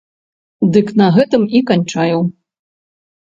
Дык на гэтым і канчаю.